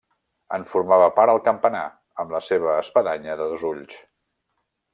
En formava part el campanar, amb la seva espadanya de dos ulls.